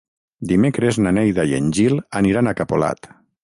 Dimecres na Neida i en Gil aniran a Capolat.